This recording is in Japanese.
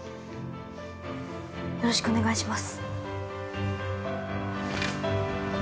よろしくお願いします。